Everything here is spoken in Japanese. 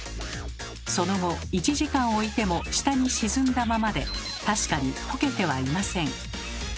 その後１時間置いても下に沈んだままで確かに溶けてはいません。